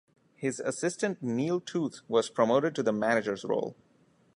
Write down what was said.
His assistant Neil Tooth was promoted to the manager's role.